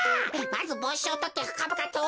まずぼうしをとってふかぶかと。